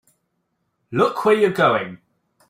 Look where you're going!